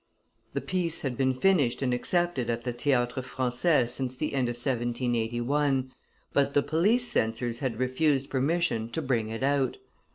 The piece had been finished and accepted at the Theatre Francais since the end of 1781, but the police censors had refused permission to bring it out.